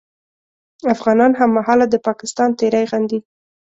افغانان هممهاله د پاکستان تېری غندي